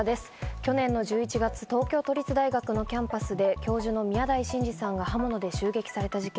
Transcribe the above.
去年の１１月、東京都立大学のキャンパスで、教授の宮台真司さんが刃物で襲撃された事件。